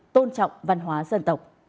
tôn trọng văn hóa dân tộc